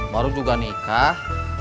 baru juga nikah